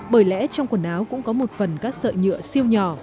bởi lẽ trong quần áo cũng có một phần các sợi nhựa siêu nhỏ